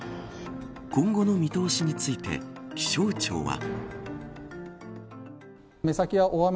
今後の見通しについて気象庁は。